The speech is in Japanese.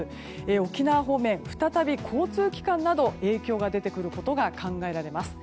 沖縄方面、再び交通機関など影響が出てくることが考えられます。